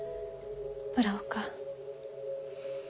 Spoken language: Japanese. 村岡。